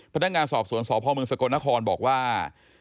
พนักงานสอบสวนสพมสกลนครบอกว่า